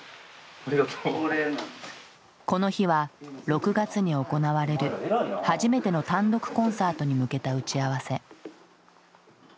この日は６月に行われる初めての単独コンサートに向けた打ち合わせ。